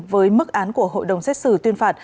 với mức án của hội đồng xét xử tuyên phạt